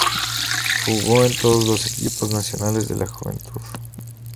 Jugó en todos los equipos nacionales de la juventud.